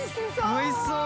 おいしそう！